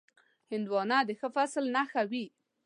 هندوانه د ښه فصل نښه وي.